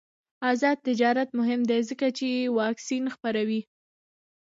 آزاد تجارت مهم دی ځکه چې واکسین خپروي.